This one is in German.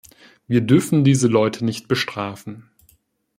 Wir dürfen diese Leute nicht bestrafen.